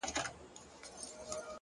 هره هڅه د سبا لپاره تخم شیندي،